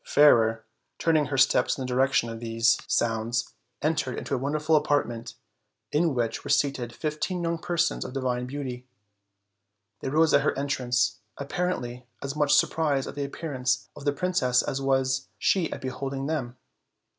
Fairer, turning her steps in the direction of these 54 OLD, OLD FAIRY TALES. sounds, entered into a wonderful apartment, in which were seated fifteen young persons of divine beauty. They rose at her entrance, apparently as much surprised at the appearance of the princess as was she at beholding them.